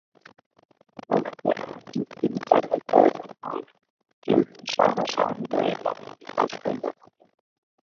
উহাতে আর যুক্তিবিচারের প্রয়োজন হয় না, কিন্তু সহসা হৃদয়ে জ্ঞানের বিকাশ হইয়া থাকে।